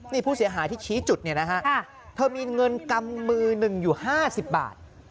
นี่ผู้เสียหายที่ชี้จุดเนี่ยนะฮะเธอมีเงินกำมือหนึ่งอยู่๕๐บาท